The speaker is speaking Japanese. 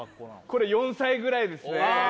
これ４歳ぐらいですね